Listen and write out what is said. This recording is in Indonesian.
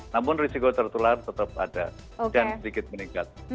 namun risiko tertular tetap ada dan sedikit meningkat